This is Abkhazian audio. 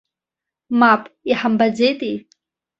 Мап, иҳамбаӡеитеи.